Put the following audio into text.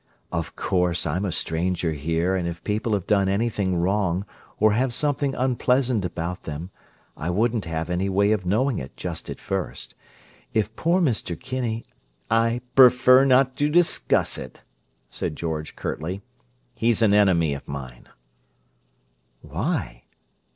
"Of course I'm a stranger here, and if people have done anything wrong or have something unpleasant about them, I wouldn't have any way of knowing it, just at first. If poor Mr. Kinney—" "I prefer not to discuss it," said George curtly. "He's an enemy of mine." "Why?"